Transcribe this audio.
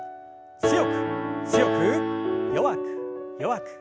強く強く弱く弱く。